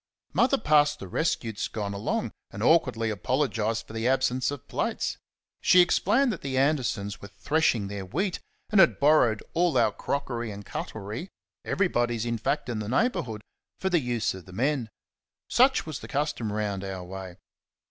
Mother passed the rescued scone along, and awkwardly apologised for the absence of plates. She explained that the Andersons were threshing their wheat, and had borrowed all our crockery and cutlery everybody's, in fact, in the neighbourhood for the use of the men. Such was the custom round our way.